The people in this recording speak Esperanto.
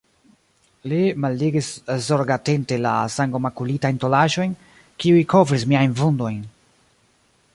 Li malligis zorgatente la sangomakulitajn tolaĵojn, kiuj kovris miajn vundojn.